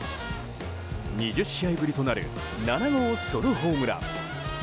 ２０試合ぶりとなる７号ソロホームラン！